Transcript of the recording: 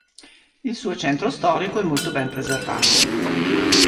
Il suo centro storico è molto ben preservato.